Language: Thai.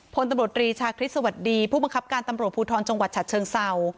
พลตำรวจรีชาคริสต์สวัสดีผู้บังคับการตำรวจภูทรจังหวัดฉัดเชิงเศร้า